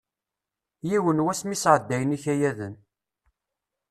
Yiwen wass mi sɛeddayen ikayaden.